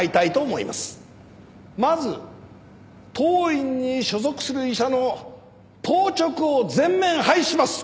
まず当院に所属する医者の当直を全面廃止します。